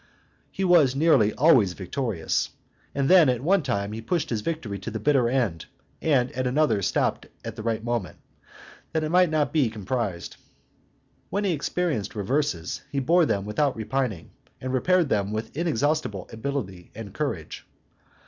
He was nearly always victorious, and then at one time he pushed his victory to the bitter end, at another stopped at the right moment, that it might not be compromised. When he experienced reverses, he bore them without repining, and repaired them with inexhaustible ability and courage.